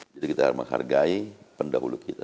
jadi kita menghargai pendahulu kita